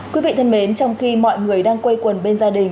quý vị thân mến trong khi mọi người đang quay quần bên gia đình